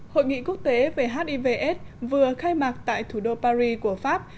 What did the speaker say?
hội nghị quốc tế về hiv aids vừa khai mạc tại thủ đô paris